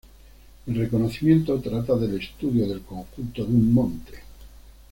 El reconocimiento trata del estudio del conjunto de un monte.